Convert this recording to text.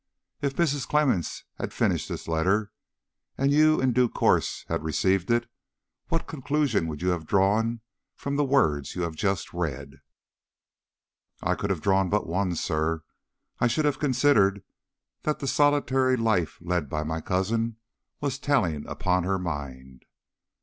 If Mrs. Clemmens had finished this letter, and you in due course had received it, what conclusion would you have drawn from the words you have just read?" "I could have drawn but one, sir. I should have considered that the solitary life led by my cousin was telling upon her mind."